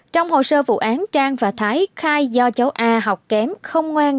trong hồ sơ vụ án trang và thái khai do cháu a học kém không ngoan